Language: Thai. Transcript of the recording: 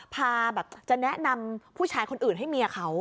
พาแบบจะแนะนำผู้ชายคนอื่นให้เมียเขา